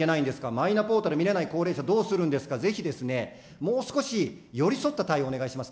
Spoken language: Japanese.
マイナポータル見れない高齢者どうするんですか、ぜひですね、もう少し寄り添った対応をお願いします。